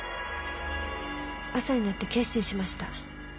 朝になって決心しました。